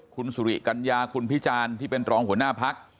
คุณสุริกัญญาคุณพิจารณ์ที่เป็นรองหัวหน้าพัก